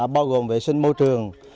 bao gồm vệ sinh môi trường